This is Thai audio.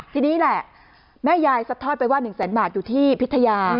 ทีนี้แหละแม่ยายซัดทอดไปว่า๑แสนบาทอยู่ที่พิทยา